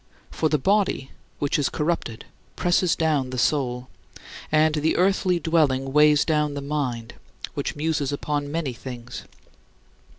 For the body which is corrupted presses down the soul, and the earthly dwelling weighs down the mind, which muses upon many things.